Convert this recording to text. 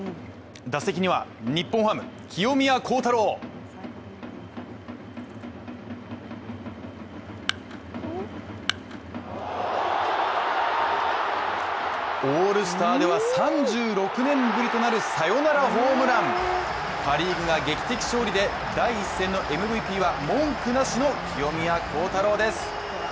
打席には日本ハム・清宮幸太郎オールスターでは３６年ぶりとなるサヨナラホームランパ・リーグが劇的勝利で第１戦のＭＶＰは文句なしの清宮幸太郎です！